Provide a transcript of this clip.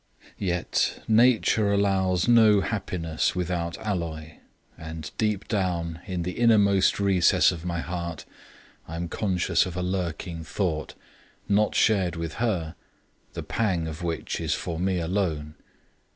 Yet nature allows of no happiness without alloy; and deep down, in the innermost recess of my heart, I am conscious of a lurking thought, not shared with her, the pang of which is for me alone.